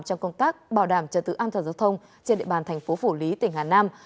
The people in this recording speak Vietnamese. trong công tác bảo đảm trật tự an toàn giao thông trên địa bàn thành phố phủ lý tỉnh hà nam